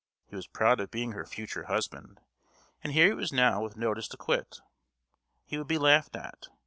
He was proud of being her future husband; and here he was now with notice to quit. He would be laughed at.